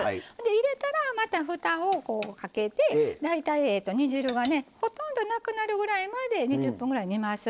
入れたら、またふたをかけて大体、煮汁がほとんどなくなるまで２０分ぐらい煮ます。